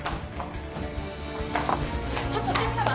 ちょっとお客さま？